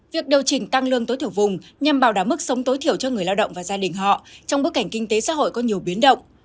việc điều chỉnh tăng lương tối thiểu vùng nhằm bảo đảm mức sống tối thiểu cho người lao động và gia đình họ trong bối cảnh kinh tế xã hội có nhiều biến động